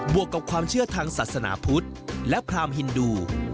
วกกับความเชื่อทางศาสนาพุทธและพรามฮินดู